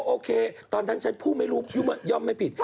โอเคตอนนั้นฉันพูดไม่รู้ย่อมไม่ผิด